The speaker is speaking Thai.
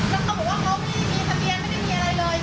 แล้วเขาบอกว่าเขาไม่ได้มีทะเบียนไม่ได้มีอะไรเลย